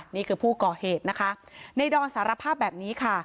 นี่คือผู้ก่อเหตุนะคะในดอนสารภาพแบบนี้ค่ะ